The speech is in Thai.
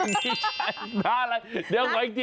น้าย่ง